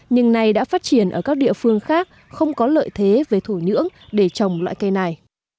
nhưng nay đã phát triển ở các địa phương khác không có lợi thế về thổ nhưỡng để trồng loại cây này